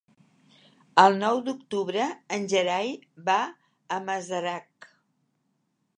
El nou d'octubre en Gerai va a Masarac.